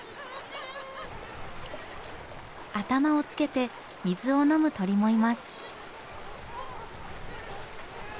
頭をつけて水を飲む鳥もいます。